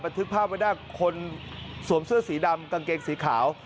ทึกภาพไว้ได้คนสวมเสื้อสีดำกางเกงสีขาว